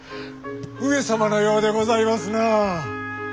上様のようでございますなあ。